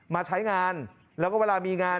มาใช้งานแล้วก็เวลามีงาน